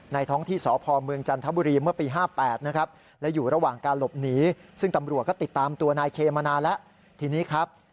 ในท้องที่สพเมืองจันทบุรีเมื่อปี๕๘นะครับ